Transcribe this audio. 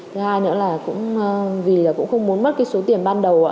thứ hai nữa là vì cũng không muốn mất số tiền ban đầu